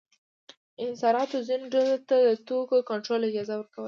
انحصاراتو ځینو ډلو ته د توکو کنټرول اجازه ورکوله.